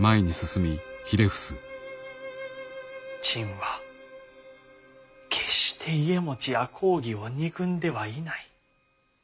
朕は決して家茂や公儀を憎んではいない。